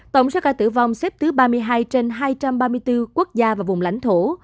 tổng số ca tử vong xếp thứ ba mươi hai trên hai trăm ba mươi bốn quốc gia và vùng lãnh thổ